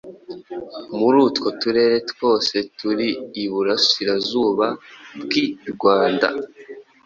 Muri utwo turere twose turi I Burasirazuba bw’ I Rwanda